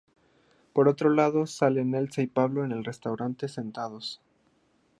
Por otro lado, salen Elsa y Pablo en el restaurante sentados.